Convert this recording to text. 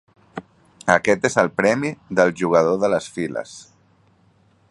Aquest és el premi del jugador de les files.